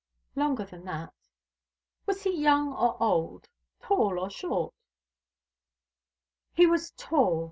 "Longer than that." "Was he young or old, tall or short?" "He was tall.